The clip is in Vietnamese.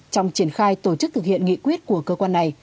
trong triển khai tổ chức thực hiện nghị quyết của cơ quan này